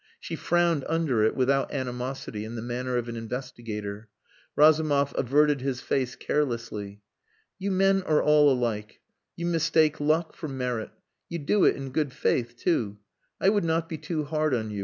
She frowned under it without animosity, in the manner of an investigator. Razumov averted his face carelessly. "You men are all alike. You mistake luck for merit. You do it in good faith too! I would not be too hard on you.